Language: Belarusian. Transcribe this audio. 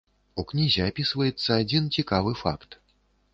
У кнізе апісваецца адзін цікавы факт.